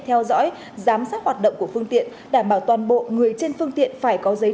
theo dõi giám sát hoạt động của phương tiện đảm bảo toàn bộ người trên phương tiện phải có giấy